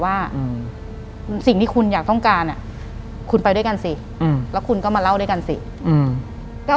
หลังจากนั้นเราไม่ได้คุยกันนะคะเดินเข้าบ้านอืม